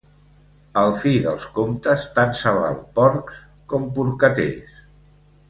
Al fi dels comptes tant se val porcs com porcaters.